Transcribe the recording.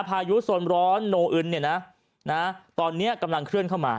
พายุสมร้อนเนี่ยนะนะฮะตอนเนี้ยกำลังเคลื่อนเข้ามา